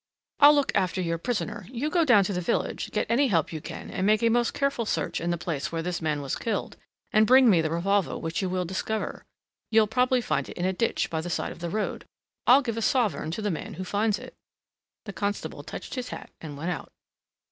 "I'll look after your prisoner; you go down to the village, get any help you can and make a most careful search in the place where this man was killed and bring me the revolver which you will discover. You'll probably find it in a ditch by the side of the road. I'll give a sovereign to the man who finds it." The constable touched his hat and went out.